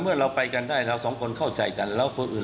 เราไปกันได้เราสองคนเข้าใจกันแล้วคนอื่น